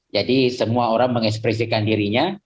jadi semua orang mengekspresikan dirinya